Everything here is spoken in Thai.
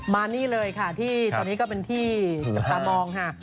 มานี่เลยค่ะที่ตอนนี้ก็เป็นที่จับตามองค่ะ